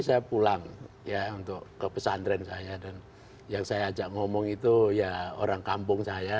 saya pulang ya untuk ke pesantren saya dan yang saya ajak ngomong itu ya orang kampung saya